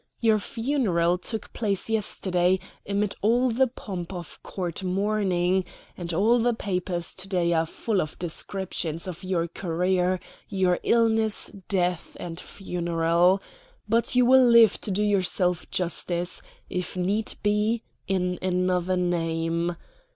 Your funeral took place yesterday, amid all the pomp of Court mourning; and all the papers to day are full of descriptions of your career, your illness, death, and funeral. But you will live to do yourself justice; if need be, in another name.